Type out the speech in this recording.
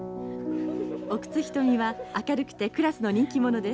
奥津牟は明るくてクラスの人気者です。